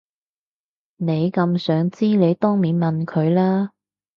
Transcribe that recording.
你咁想知你當面問佢啦